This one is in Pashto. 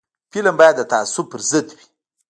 فلم باید د تعصب پر ضد وي